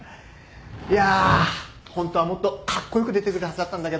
いやホントはもっとカッコ良く出てくるはずだったんだけど。